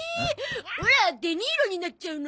オラデニーロになっちゃうの？